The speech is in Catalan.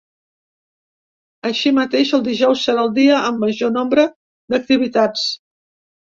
Així mateix, el dijous serà el dia amb major nombre d’activitats.